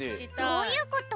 どういうこと？